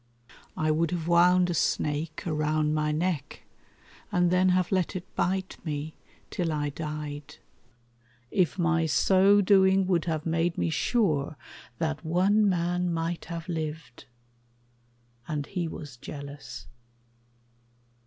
I would have wound a snake around my neck And then have let it bite me till I died, If my so doing would have made me sure That one man might have lived; and he was jealous.